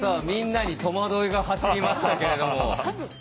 みんなに戸惑いが走りましたけれども。